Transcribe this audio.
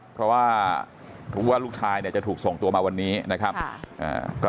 เพราะว่ารู้ว่าลูกชายเนี่ยจะถูกส่งตัวมาวันนี้นะครับ